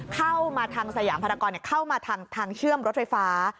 เข้ามาทางสยามภารกรเข้ามาทางเชื่อมรถไฟฟ้า